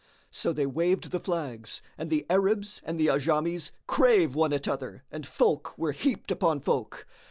So they waved the flags, and the Arabs and the Ajamis drave one at other and folk were heaped upon folk.